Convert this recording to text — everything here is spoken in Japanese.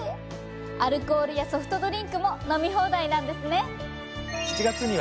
アルコールやソフトドリンクも飲み放題なんですね。